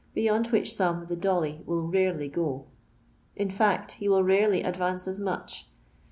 beyond which sum the "dolly" will rarely go; in iiACt, ho will rarely advance as much.